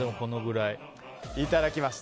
いただきました。